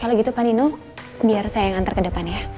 kalau gitu pak nino biar saya yang nganter ke depan ya